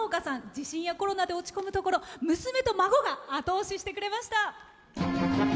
地震やコロナで落ち込むところ娘と孫が後押ししてくれました。